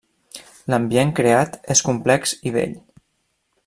L'ambient creat és complex i bell.